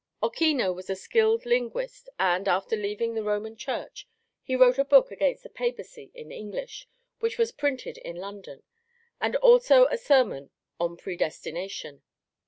Ochino was a skilled linguist, and, after leaving the Roman Church, he wrote a book against the Papacy in English, which was printed in London, and also a sermon on predestination.